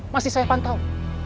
masih saya pantau